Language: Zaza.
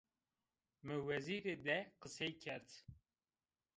Mi wezîrî de qisey kerd